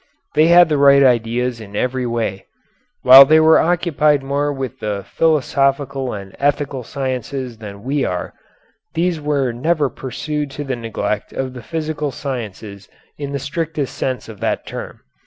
They had the right ideas in every way. While they were occupied more with the philosophical and ethical sciences than we are, these were never pursued to the neglect of the physical sciences in the strictest sense of that term.